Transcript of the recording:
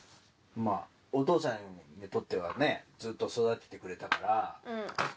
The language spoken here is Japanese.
まあお父さんにとってはねずっと育ててくれたから。